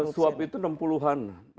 suap itu enam puluh an